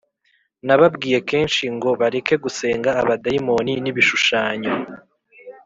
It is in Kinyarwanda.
Nababwiye kenshi ngo bareke gusenga abadayimoni n’ibishushanyo